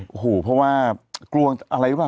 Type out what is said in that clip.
โอ้โหเพราะว่ากลัวอะไรว่ะ